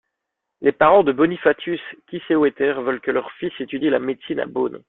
Les parents de Bonifatius Kiesewetter veulent que leur fils étudie la médecine à Bonn.